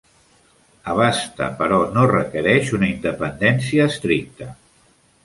Abasta però no requereix una independència estricta.